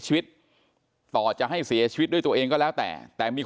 ชีวิตต่อจะให้เสียชีวิตด้วยตัวเองก็แล้วแต่แต่มี